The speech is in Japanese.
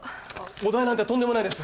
お代なんてとんでもないです。